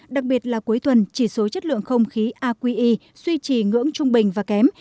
đặc biệt là cuối tuần chỉ số chất lượng không khí aqi suy trì ngưỡng trung bình và kém